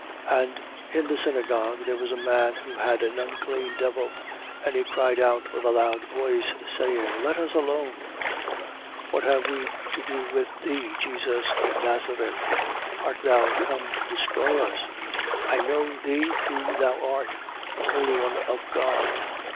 4:33. And in the synagogue there was a man who had an unclean devil: and he cried out with a loud voice, 4:34. Saying: Let us alone. What have we to do with thee, Jesus of Nazareth? Art thou come to destroy us? I know thee who thou art, the holy one of God. 4:35.